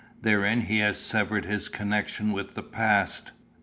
Therein he has severed his connection with the past.